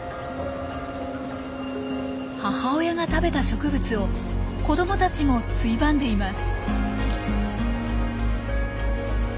母親が食べた植物を子どもたちもついばんでいます。